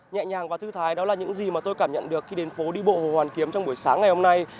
nhẹ nhàng và thư thái đó là những gì mà tôi cảm nhận được khi đến phố đi bộ hồ hoàn kiếm trong buổi sáng ngày hôm nay